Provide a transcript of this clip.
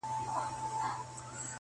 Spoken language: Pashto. د ټول کلي خلک ماته کړي ښراوي -